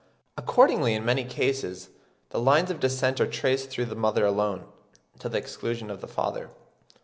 Accordingly, in many cases the lines of descent are traced through the mother alone, to the exclusion of the father.